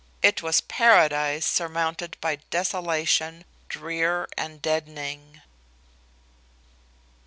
It was paradise surmounted by desolation, drear and deadening.